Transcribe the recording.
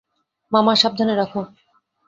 মামা, সাবধানে রাখো।